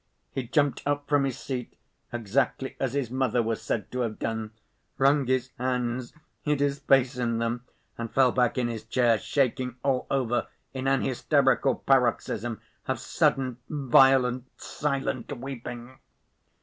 He jumped up from his seat exactly as his mother was said to have done, wrung his hands, hid his face in them, and fell back in his chair, shaking all over in an hysterical paroxysm of sudden violent, silent weeping.